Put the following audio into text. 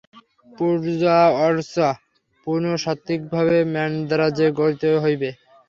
পূজা-অর্চা পূর্ণ সাত্ত্বিকভাবে মান্দ্রাজে করিতে হইবে।